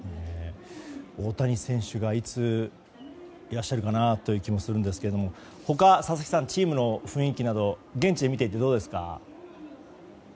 大谷選手がいついらっしゃるかなという気もしますが他、佐々木さんチームの雰囲気など現地で見ていて、どうですか？